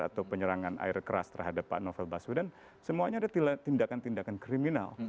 atau penyerangan air keras terhadap pak novel baswedan semuanya ada tindakan tindakan kriminal